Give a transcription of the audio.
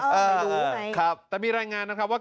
ไม่รู้ครับแต่มีรายงานนะครับว่า